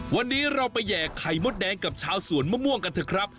วันนี้เราไปแห่ไข่มดแดงกับชาวสวนมะม่วงกันเถอะครับ